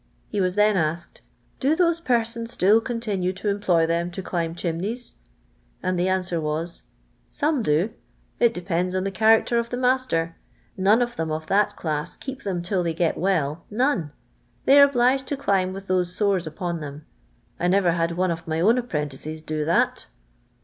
He was then asked :—'* Do those persons still continue to employ them to climb chimneys 1" and the answer was: "Some do; it depends upon the character of the master. None of them of that claas keep them till they get well ; none. They are obliged to climb with those sores npon them. I never bad one of my own apprentices do that."